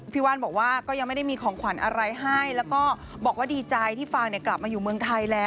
ว่านบอกว่าก็ยังไม่ได้มีของขวัญอะไรให้แล้วก็บอกว่าดีใจที่ฟางกลับมาอยู่เมืองไทยแล้ว